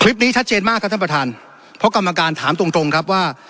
คลิปนี้ชัดเจนมากครับท่านประธานเพราะกรรมการถามตรงตรงครับว่า